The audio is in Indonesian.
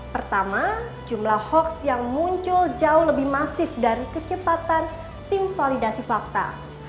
pertama jumlah hoax yang muncul jauh lebih masif dari kecepatan tim validasi fakta